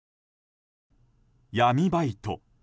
闇バイト。